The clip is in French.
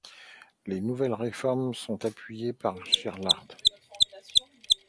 Les nouvelles réformes sont appuyées par Gerhard.